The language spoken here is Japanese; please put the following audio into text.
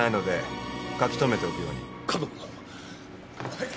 はい。